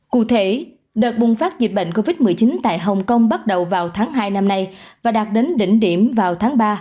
cụ thể đợt bùng phát dịch bệnh covid một mươi chín tại hồng kông bắt đầu vào tháng hai năm nay và đạt đến đỉnh điểm vào tháng ba